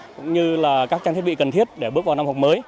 cũng như là các trang thiết bị cần thiết để bước vào năm học mới